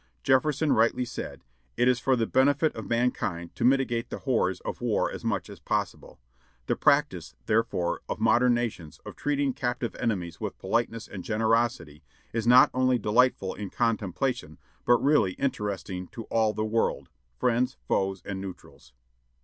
Jefferson rightly said: "It is for the benefit of mankind to mitigate the horrors of war as much as possible. The practice, therefore, of modern nations, of treating captive enemies with politeness and generosity, is not only delightful in contemplation, but really interesting to all the world friends, foes, and neutrals."